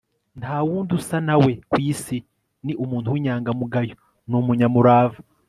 nta wundi usa na we ku isi; ni umuntu w'inyangamugayo n'umunyamurava